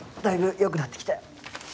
だいぶ良くなってきたよ。